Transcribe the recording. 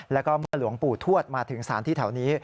แล้วก็เมื่อหลวงปู่ทวดมาถึงสารที่แถวนี้